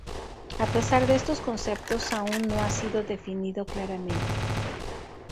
A pesar de estos conceptos, aún no ha sido definido claramente.